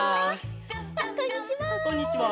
あっこんにちは！